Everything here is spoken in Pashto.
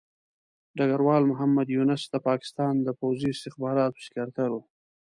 ډګروال محمد یونس د پاکستان د پوځي استخباراتو سکرتر وو.